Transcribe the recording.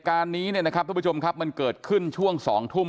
การนี้เนี่ยนะครับทุกผู้ชมครับมันเกิดขึ้นช่วง๒ทุ่ม